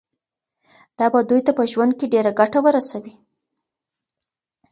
دا به دوی ته په ژوند کي ډیره ګټه ورسوي.